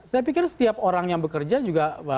saya pikir setiap orang yang bekerja juga